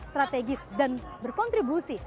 strategis dan berkontribusi